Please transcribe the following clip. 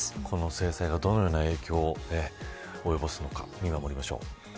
この制裁がどのような影響を及ぼすのか、見守りましょう。